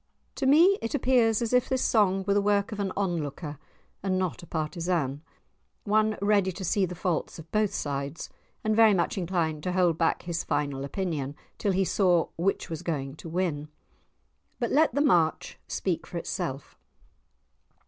To me it appears as if this song were the work of an onlooker and not a partisan; one ready to see the faults of both sides, and very much inclined to hold back his final opinion till he saw which was going to win. But let the March speak for itself.